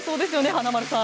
華丸さん。